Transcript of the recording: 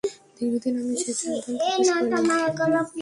দীর্ঘদিন আমি যেহেতু অ্যালবাম প্রকাশ করিনি, তাই কারও সঙ্গে যোগাযোগও হয়নি।